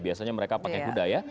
biasanya mereka pakai kuda ya